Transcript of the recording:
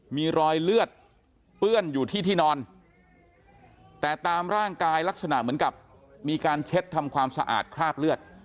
มีรอยเลือดเปื้อนอยู่ที่ที่นอนแต่ตามร่างกายลักษณะเหมือนกับมีการเช็ดทำความสะอาดคราบเลือด